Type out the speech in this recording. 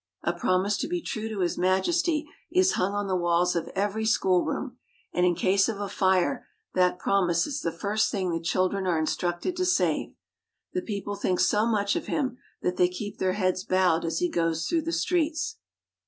A promise to be true to His Majesty is hung on the walls of every schoolroom ; and in case of a fire that prom ise is the first thing the children are instructed to save. The people think so much of him that they keep their heads bowed as he goes through the streets.